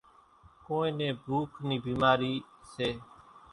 ڪونئين نين ڀوُک نِي ڀِيمارِي سي۔